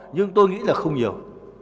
nhưng tôi nghĩ là không nhiều